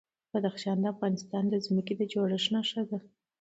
بدخشان د افغانستان د ځمکې د جوړښت نښه ده.